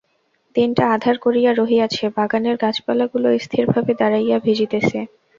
দিনটা আঁধার করিয়া রহিয়াছে, বাগানের গাছপালাগুলা স্থিরভাবে দাঁড়াইয়া ভিজিতেছে।